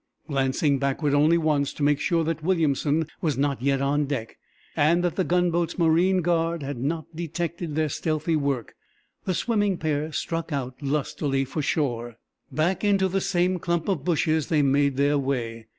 Glancing backward only once, to make sure that Williamson was not yet on deck, and that the gunboat's marine guard had not detected their stealthy work, the swimming pair struck out lustily for shore. Back into the same clump of bushes they made their way.